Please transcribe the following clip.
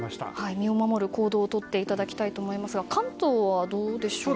身を守る行動をとっていただきたいと思いますが関東はどうでしょうか？